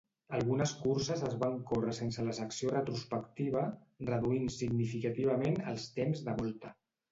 Algunes curses es van córrer sense la secció retrospectiva, reduint significativament els temps de volta.